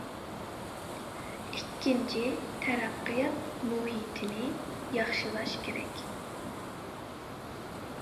ئىككىنچى، تەرەققىيات مۇھىتىنى ياخشىلاش كېرەك.